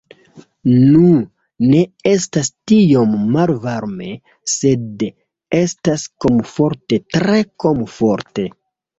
Nu, ne estas tiom malvarme sed estas komforte tre komforte